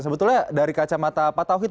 sebetulnya dari kacamata pak tauhid